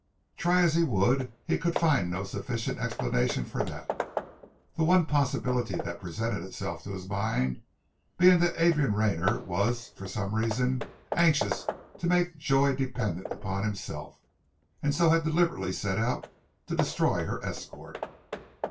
Try as he would he could find no sufficient explanation for that, the one possibility that presented itself to his mind being that Adrian Rayner was for some reason anxious to make Joy dependent upon himself, and so had deliberately set out to destroy her escort.